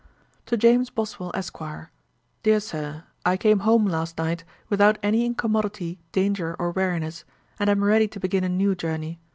'To JAMES BOSWELL, ESQ. 'DEAR SIR, 'I came home last night, without any incommodity, danger, or weariness, and am ready to begin a new journey.